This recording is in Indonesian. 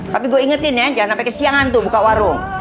tapi gue ingetin ya jangan sampai kesiangan tuh buka warung